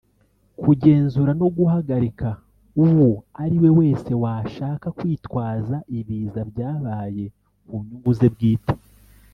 kugenzura no guhagarika uwo ari we wese washaka kwitwaza ibiza byabaye ku nyungu ze bwite